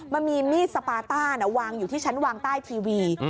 มันมีมีดสปาต้าวางอยู่ที่ชั้นวางใต้ทีวี